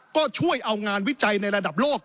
ก็ช่วยเอางานวิจัยในระดับโลก